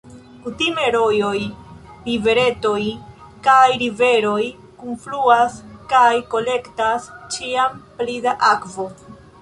Kutime rojoj, riveretoj kaj riveroj kunfluas kaj kolektas ĉiam pli da akvo.